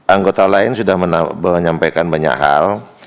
anggota lain sudah menyampaikan banyak hal